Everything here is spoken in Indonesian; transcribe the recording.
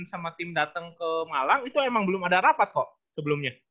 sama tim datang ke malang itu emang belum ada rapat kok sebelumnya